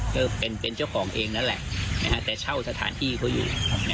ก็เป็นเจ้าของเองนั่นแหละแต่เช่าสถานที่เขาอยู่